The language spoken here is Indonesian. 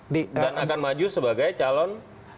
dan akan maju sebagai calon